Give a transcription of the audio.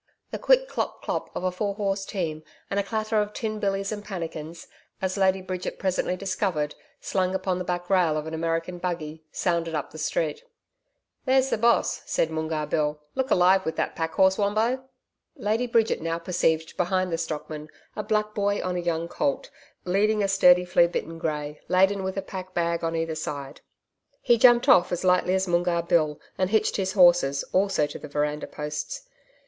The quick CLOP CLOP of a four horse team and a clatter of tin billys and pannikins as Lady Bridget presently discovered slung upon the back rail of an American buggy sounded up the street. 'There's the Boss,' said Moongarr Bill. 'Look alive, with that packhorse, Wombo.' Lady Bridget now perceived behind the stockman a black boy on a young colt, leading a sturdy flea bitten grey, laden with a pack bag on either side. He jumped off as lightly as Moongarr Bill and hitched his horses also to the veranda posts.